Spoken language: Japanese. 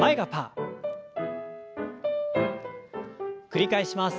繰り返します。